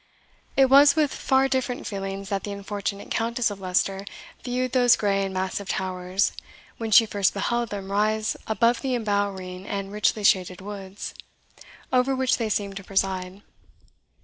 It was with far different feelings that the unfortunate Countess of Leicester viewed those grey and massive towers, when she first beheld them rise above the embowering and richly shaded woods, over which they seemed to preside.